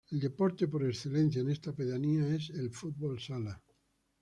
El deporte por excelencia en esta pedanía es el fútbol sala.